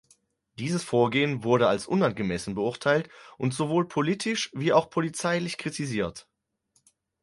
Dieses Vorgehen wurde als unangemessen beurteilt und sowohl politisch wie auch polizeilich kritisiert.